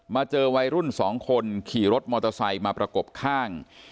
เจอวัยรุ่น๒คนขี่รถมอเตอร์ไซค์มาประกบข้าง